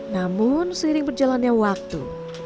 namun seiring berjalannya waktu